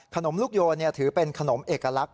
ลูกโยนถือเป็นขนมเอกลักษณ